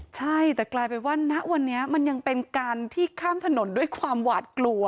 ใช่แต่กลายเป็นว่าณวันนี้มันยังเป็นการที่ข้ามถนนด้วยความหวาดกลัว